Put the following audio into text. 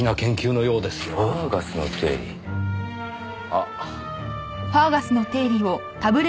あっ。